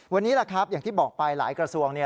วันนี้แหละครับอย่างที่บอกไปหลายกระทรวงเนี่ย